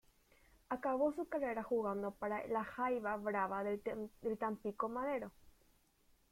Acabó su carrera jugando para la Jaiba Brava del Tampico-Madero.